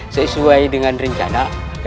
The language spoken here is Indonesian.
sesuai dengan rencana